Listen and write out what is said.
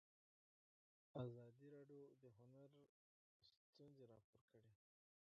ازادي راډیو د هنر ستونزې راپور کړي.